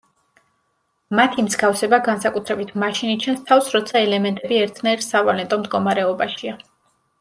მათი მსგავსება განსაკუთრებით მაშინ იჩენს თავს, როცა ელემენტები ერთნაირ სავალენტო მდგომარეობაშია.